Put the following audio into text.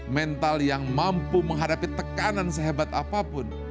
mental yang mampu menghadapi tekanan sehebat apapun